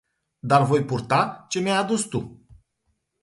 Dar voi purta ce mi-ai adus tu.